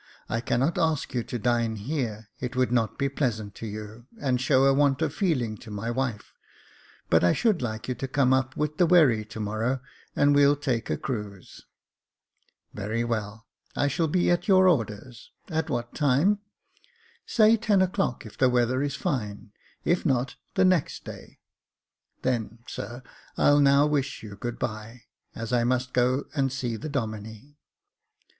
I cannot ask you to dine here ; it would not be pleasant to you, and show a want of feeling to my wife ; but I should like you to come up with the wherry to morrow, and we'll take a cruise." Very well, I shall be at your orders — at what time ?" "Say ten o'clock, if the weather is line; if not, the next day." " Then, sir, I'll now wish you good bye, as I must go and see the Domine."